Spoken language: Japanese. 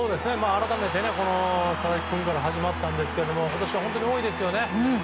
改めて佐々木君から始まったんですけど今年は多いですよね。